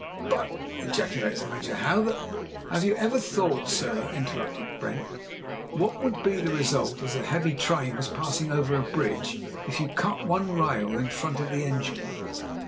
"But," ejaculated the Major, "how the " "Have you ever thought, sir," interrupted Brent, "what would be the result if , as a heavy train was pass ing over a bridge, you cut one rail just in front of the engine